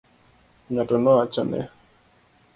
Ng'ato nowachone.